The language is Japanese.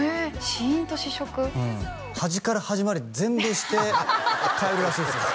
端から端まで全部して帰るらしいんですよ